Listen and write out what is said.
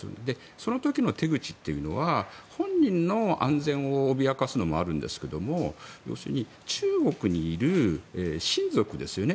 その時の手口というのは本人の安全を脅かすのもあるんですけども要するに中国にいる親族ですよね